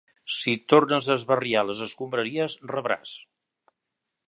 Si tornes a esbarriar les escombraries, rebràs.